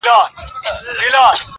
ما خو زولني په وینو سرې پکښي لیدلي دي-